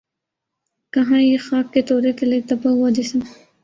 کہاں یہ خاک کے تودے تلے دبا ہوا جسم